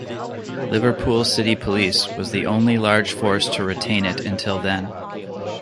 Liverpool City Police was the only large force to retain it until then.